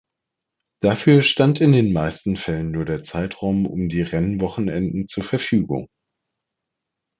Dafür stand in den meisten Fällen nur der Zeitraum um die Rennwochenenden zur Verfügung.